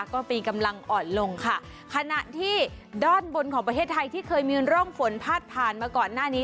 ก็มีกำลังอ่อนลงค่ะขณะที่ด้านบนของประเทศไทยที่เคยมีร่องฝนพาดผ่านมาก่อนหน้านี้